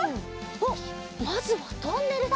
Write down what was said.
おっまずはトンネルだ。